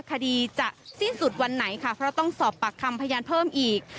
คดีจะสิ้นสุดวันไหนค่ะเพราะต้องสอบปากคำพยานเพิ่มอีก